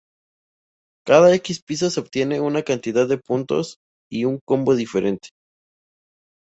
Cada x pisos se obtiene una cantidad de puntos y un combo diferente.